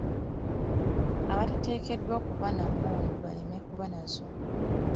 Abatateekeddwa kuba na mmundu baleme kuba nazo.